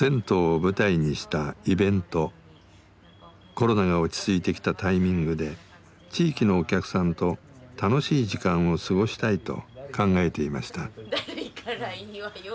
コロナが落ち着いてきたタイミングで地域のお客さんと楽しい時間を過ごしたいと考えていました。